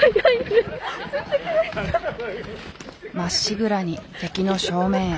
まっしぐらに敵の正面へ。